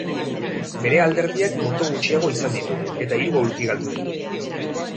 Bere alderdiak boto gutxiago izan ditu, eta hiru aulki galdu ditu.